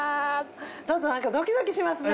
ちょっとなんかドキドキしますね。